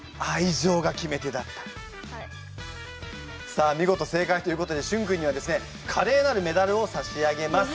さあ見事正解ということでしゅん君にはですねカレーなるメダルを差し上げます。